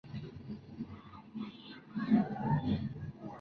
La mayoría de los alimentos para la población urbana deben ser importados.